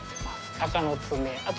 鷹の爪あと